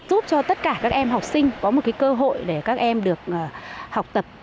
giúp cho tất cả các em học sinh có một cơ hội để các em được học tập